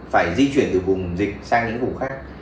phải di chuyển từ vùng dịch sang những vùng khác